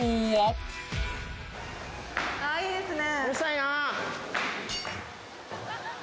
いいですね